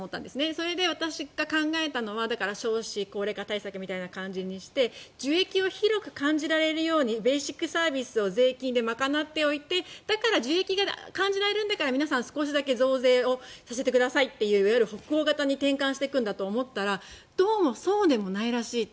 それで私が考えたのは少子高齢化対策みたいな感じにして受益を広く感じられるようにベーシックサービスを税金で賄っておいてだから、受益が感じられるんだから皆さん少しだけ増税させてくださいといういわゆる北欧型に転換していくんだと思ったんですがどうやらそうでもないらしいと。